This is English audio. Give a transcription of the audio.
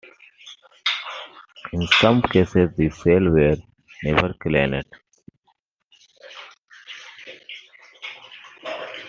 In some cases the cells were never cleaned.